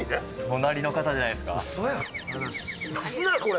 隣の方じゃないですか？